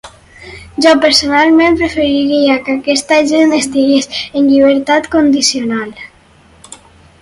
Jo personalment preferiria que aquesta gent estigués en llibertat condicional.